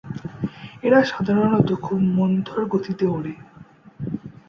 এরা সাধারনত খুব মন্থর গতিতে ওড়ে।